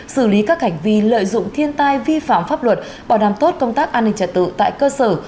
xử lý các hành vi lợi dụng thiên tai vi phạm pháp luật bảo đảm tốt công tác an ninh trật tự tại cơ sở